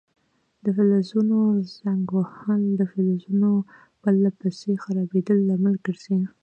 د فلزونو زنګ وهل د فلزونو پر له پسې خرابیدو لامل ګرځي.